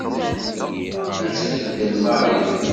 Ad t-tbeddel Mary.